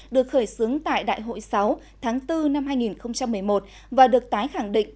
được khởi xướng tại đại hội sáu tháng bốn năm hai nghìn một mươi một và được tái khẳng định